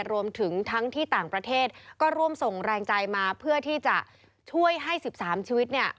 รวมถึงทั้งที่ต่างประเทศก็ร่วมส่งแรงใจมาเพื่อที่จะช่วยให้๑๓ชีวิตเนี่ย